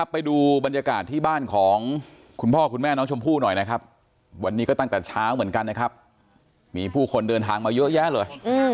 ไปดูบรรยากาศที่บ้านของคุณพ่อคุณแม่น้องชมพู่หน่อยนะครับวันนี้ก็ตั้งแต่เช้าเหมือนกันนะครับมีผู้คนเดินทางมาเยอะแยะเลย